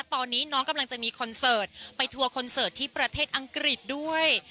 ตอนนี้น้องกำลังจะมีคอนเสิร์ตไปทัวร์คอนเสิร์ตที่ประเทศอังกฤษด้วย